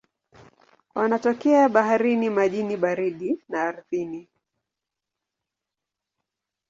Wanatokea baharini, majini baridi na ardhini.